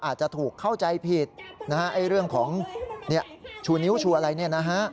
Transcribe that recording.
อาจจะถูกเข้าใจผิดนะฮะไอ้เรื่องของชูนิ้วชูอะไรเนี่ยนะฮะ